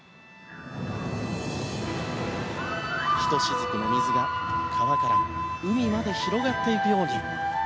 ひとしずくの水が川から海まで広がっていくように。